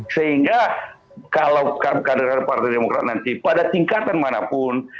sehingga kalau kader kader partai demokrat nanti pada tingkatan manapun